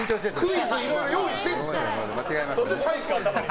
クイズいろいろ用意してるんですから。